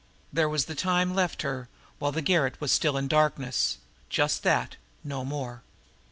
There was the time left her while the garret was still in darkness, just that, no more!